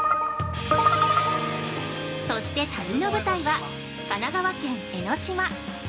そして、旅の舞台は神奈川県・江の島。